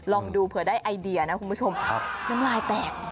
ลองดูเผื่อได้ไอเดียนะคุณผู้ชมน้ำลายแตก